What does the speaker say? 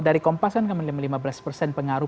dari kompas kan menerima lima belas persen pengaruh